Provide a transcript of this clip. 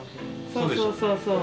そうそうそうそう。